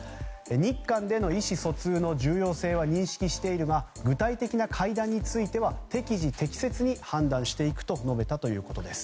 日韓での意思疎通の重要性は認識しているが具体的な会談については適時、適切に判断していくと述べたということです。